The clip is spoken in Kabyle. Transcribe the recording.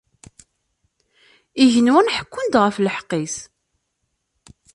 Igenwan ḥekkun-d ɣef lḥeqq-is.